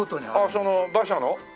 その馬車の？